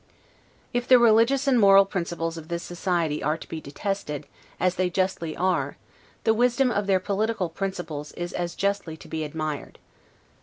If the religious and moral principles of this society are to be detested, as they justly are, the wisdom of their political principles is as justly to be admired.